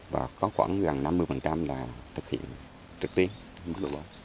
và có khoảng gần năm mươi là thực hiện trực tiên mức độ bầu